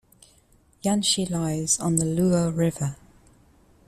Yanshi lies on the Luo River.